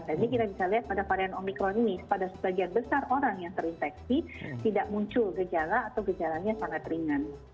jadi kita bisa lihat pada varian omicron ini pada sebagian besar orang yang terinfeksi tidak muncul gejala atau gejalanya sangat ringan